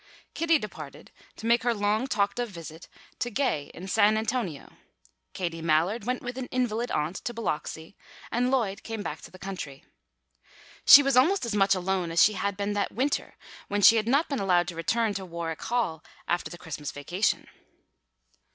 Kitty departed to make her long talked of visit to Gay in San Antonio, Katie Mallard went with an invalid aunt to Biloxi, and Lloyd came back to the country. She was almost as much alone as she had been that winter when she had not been allowed to return to Warwick Hall after the Christmas vacation.